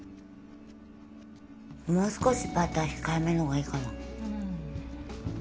もう少しバター控えめのほうがいいかな？